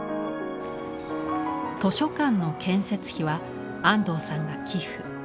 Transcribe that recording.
図書館の建設費は安藤さんが寄付。